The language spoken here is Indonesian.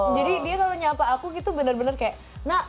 jadi dia kalau nyapa aku gitu bener bener kayak